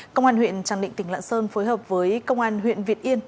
công an huyện tràng định tỉnh lạng sơn phối hợp với công an huyện việt yên